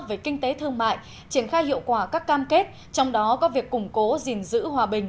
về kinh tế thương mại triển khai hiệu quả các cam kết trong đó có việc củng cố gìn giữ hòa bình